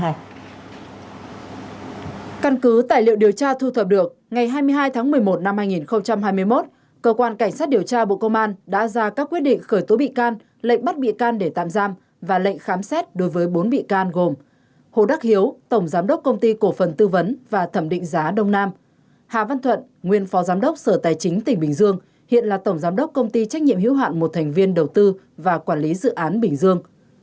căn cứ tài liệu điều tra thu thập được ngày hai mươi hai tháng một mươi một năm hai nghìn hai mươi một cơ quan cảnh sát điều tra bộ công an đã ra các quyết định khởi tố bị can lệnh bắt bị can để tạm giam và lệnh khám xét đối với bốn bị can gồm hồ đắc hiếu tổng giám đốc công ty cổ phần tư vấn và thẩm định giá đông nam hà văn thuận nguyên phó giám đốc sở tài chính tỉnh bình dương hiện là tổng giám đốc công ty trách nhiệm hữu hạn một thành viên đầu tư và quản lý dự án bình dương